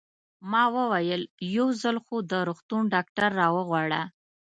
ما وویل: یو ځل خو د روغتون ډاکټر را وغواړه.